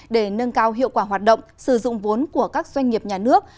để nâng cao hiệu quả hoạt động sử dụng vốn của các doanh nghiệp nhà nước